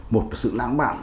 một là sự lãng mạn